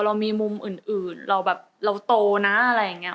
เรามีมุมอื่นเราโตนะอะไรอย่างเงี้ย